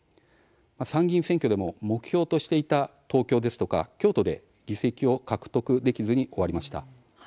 参議院選挙でも目標としていた東京ですとか京都で、議席を獲得できずに終わりました。